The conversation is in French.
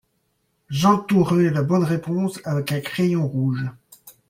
j'entourai la bonne réponse avec un crayon rouge.